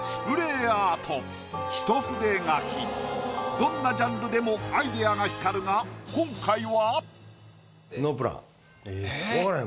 どんなジャンルでもアイデアが光るが今回は？